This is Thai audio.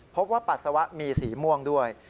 ปัสสาวะมีสีม่วงด้วย